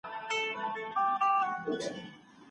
ځان داسي ښکاره کړئ لکه باور چي لرئ.